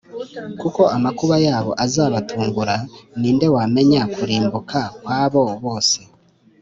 kuko amakuba yabo azabatungurani nde wamenya kurimbuka kwabo bose’